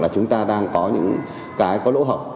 chúng ta đang có những cái có lỗ hỏng